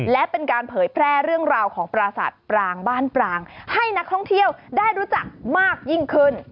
และเป็นการเผยแพร่เรื่องราวของปราศาสตร์ปรางบ้านปรางให้นักท่องเที่ยวได้รู้จักมากยิ่งขึ้น